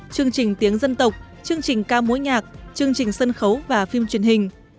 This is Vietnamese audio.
chương trình tiếng dân tộc chương trình ca mối nhạc chương trình sân khấu và phim truyền hình